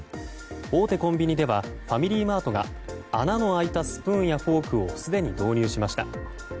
大手コンビニではファミリーマートが穴の開いたスプーンやフォークをすでに導入しました。